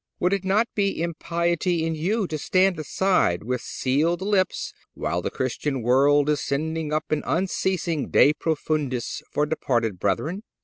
Would it not be impiety in you to stand aside with sealed lips while the Christian world is sending up an unceasing De profundis for departed brethren?